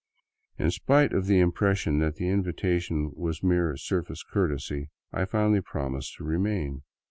In spite of the; impression that the invitation was mere surface courtesy, I finally prornised to remain.